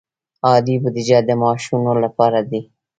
عادي بودجه د معاشاتو لپاره ده